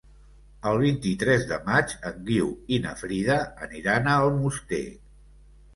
El vint-i-tres de maig en Guiu i na Frida aniran a Almoster.